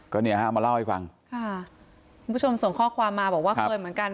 ก็เนี่ยฮะมาเล่าให้ฟังค่ะคุณผู้ชมส่งข้อความมาบอกว่าเคยเหมือนกัน